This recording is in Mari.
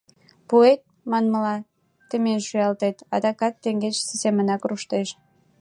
Пуэт, манмыла, темен шуялтет — адакат теҥгечысе семынак руштеш.